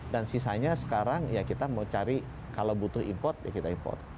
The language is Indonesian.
dan sisanya sekarang ya kita mau cari kalau butuh import ya kita import